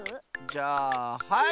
じゃあはい！